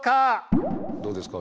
どうですか？